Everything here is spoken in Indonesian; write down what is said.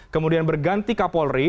kemudian berganti kapolri